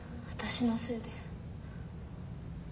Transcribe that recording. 私のせいで。